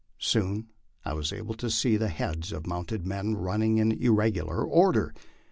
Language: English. Soon I was able to see the heads of mounted men running in irregular order.